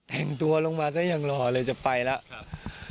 หันตัวลงมาซะอย่างหล่อเลยจะไปแล้ว